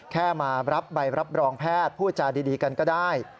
แค่มารับใบรับรองแพทย์พูดจาดีกันก็ได้